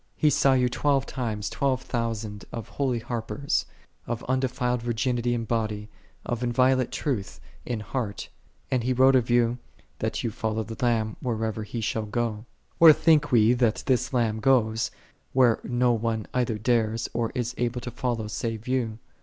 He saw you twelve times twelve thousand of holy harpers, of undefiled virginity in body, of inviolate truth in heart; and he wrote of you, that ye follow the Lamb whithersoever He shall go. Where think we that This Lamb goeth, where no one either dares or is able to follow save you